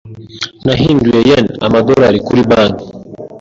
Nahinduye yen amadolari kuri banki.